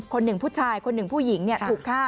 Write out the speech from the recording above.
คนหนึ่งผู้ชายคนหนึ่งผู้หญิงถูกฆ่า